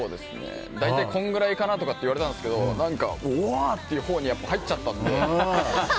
大体、このくらいかなって言われたんですけど何か、うおー！っていうほうに入っちゃったので。